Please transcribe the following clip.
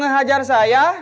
mau ngehajar saya